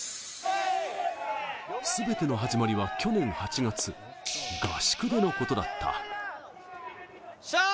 すべての始まりは去年８月、合宿でのことだった。